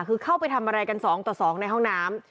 คือเข้าไปทำอะไรกัน๒ต่อ๒ในห้องน้ำ